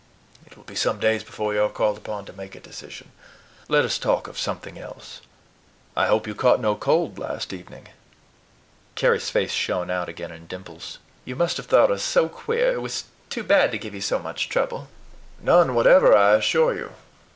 It will be some days before you are called upon to make a decision. Let us talk of something else. I hope you caught no cold last evening." Carry's face shone out again in dimples. "You must have thought us so queer! It was too bad to give you so much trouble." "None whatever, I assure you.